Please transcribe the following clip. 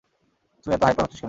তুই এত হাইপার হচ্ছিস কেন?